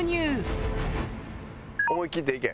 思いきっていけ。